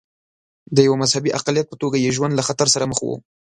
د یوه مذهبي اقلیت په توګه یې ژوند له خطر سره مخ و.